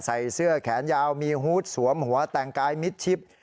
ใส่เสื้อแขนยาวมีฮูตสวมหัวแต่งกายมิดชิป